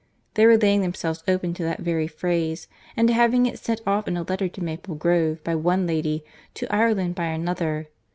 They were laying themselves open to that very phrase—and to having it sent off in a letter to Maple Grove by one lady, to Ireland by another.